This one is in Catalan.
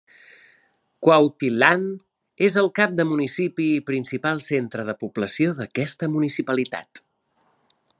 Cuautitlán és el cap de municipi i principal centre de població d'aquesta municipalitat.